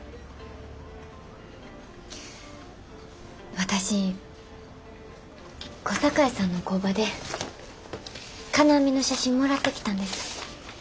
私小堺さんの工場で金網の写真もらってきたんです。